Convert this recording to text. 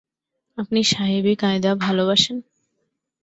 আপনি সাহেবি কায়দা ভালোবাসেন?